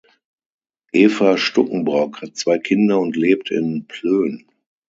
Eva Stukenbrock hat zwei Kinder und lebt in Plön.